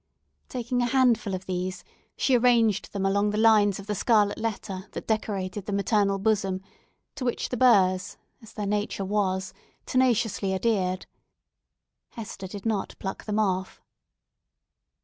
Taking a handful of these, she arranged them along the lines of the scarlet letter that decorated the maternal bosom, to which the burrs, as their nature was, tenaciously adhered. Hester did not pluck them off.